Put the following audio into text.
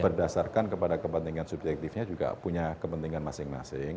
berdasarkan kepada kepentingan subjektifnya juga punya kepentingan masing masing